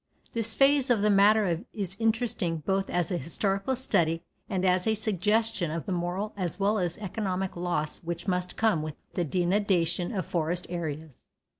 This phase of the matter is interesting both as a historical study and as a suggestion of the moral as well as economic loss which must come with the denudation of our forest areas.